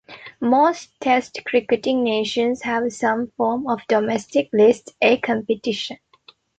Most Test cricketing nations have some form of domestic List A competition.